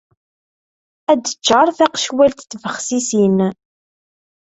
Ad d-teččar taqecwalt n tbexsisin.